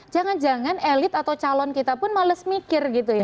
jangan jangan elit atau calon kita pun males mikir gitu ya